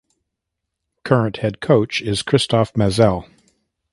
Current head coach is Christophe Mazel.